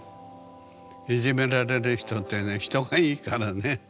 いじめられる人ってね人がいいからね